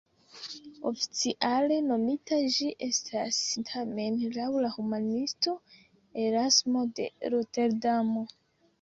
Oficiale nomita ĝi estas tamen laŭ la humanisto Erasmo de Roterdamo.